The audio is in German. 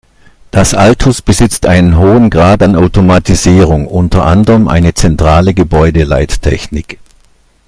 Das Altus besitzt einen hohen Grad an Automatisierung, unter anderem eine zentrale Gebäudeleittechnik.